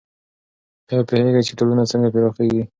آیا پوهېږئ چې ټولنه څنګه پراخیږي؟